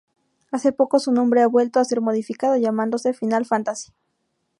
Hace poco su nombre ha vuelto a ser modificado, llamándose ""Final Fantasy"".